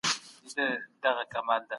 فارابي غوښتل چي یوه ایډیاله ټولنه جوړه کړي.